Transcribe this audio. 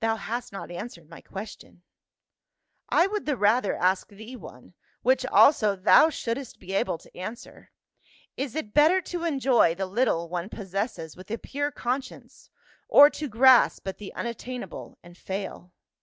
"Thou hast not answered my question." " I would the rather ask thee one — which also thou shouldst be able to answer ; is it better to enjoy the little one possesses wath a pure conscience, or to grasp at the unattainable and fail